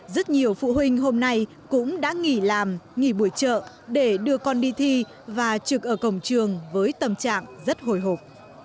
rất nhiều phụ huynh hôm nay cũng đã nghỉ làm nghỉ buổi chợ để đưa con đi thi và trực ở cổng trường với tâm trạng rất hồi hộp